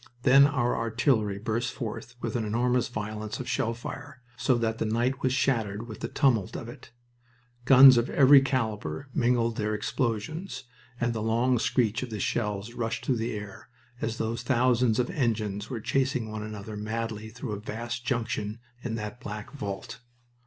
Then our artillery burst forth with an enormous violence of shell fire, so that the night was shattered with the tumult of it. Guns of every caliber mingled their explosions, and the long screech of the shells rushed through the air as though thousands of engines were chasing one another madly through a vast junction in that black vault.